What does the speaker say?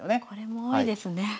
これも多いですね。